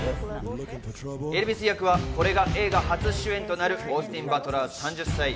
エルヴィス役はこれが映画初主演となるオースティン・バトラー、３０歳。